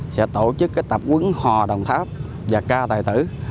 sẽ tổ chức cái tập quấn hòa đồng tháp và ca tài tử